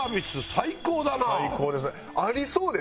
最高ですね。